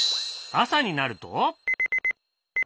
朝になると。